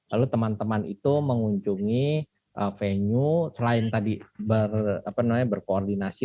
lalu teman teman itu mengunjungi venue selain tadi berkoordinasi